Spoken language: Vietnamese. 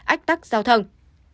ách tắt giao thông